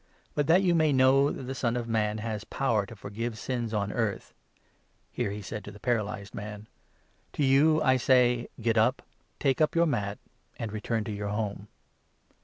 But that you may know that the Son of Man has 10 power to forgive sins on earth "— here he said to the para lyzed man — "To you I say, Get up, take up your mat, and n return to your home."